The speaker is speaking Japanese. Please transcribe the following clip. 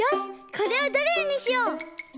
これをドリルにしよう！